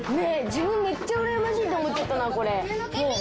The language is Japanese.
自分めっちゃうらやましいと思っちゃったなこれ。